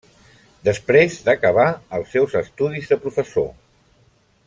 Després d'acabar els seus estudis de professor.